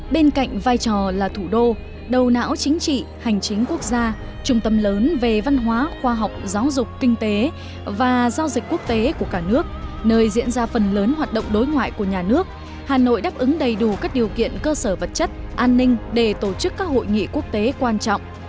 bên cạnh vai trò là thủ đô đầu não chính trị hành chính quốc gia trung tâm lớn về văn hóa khoa học giáo dục kinh tế và giao dịch quốc tế của cả nước nơi diễn ra phần lớn hoạt động đối ngoại của nhà nước hà nội đáp ứng đầy đủ các điều kiện cơ sở vật chất an ninh để tổ chức các hội nghị quốc tế quan trọng